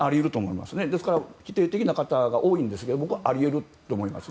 ですから、否定的な方が多いんですけれども僕はあり得ると思います。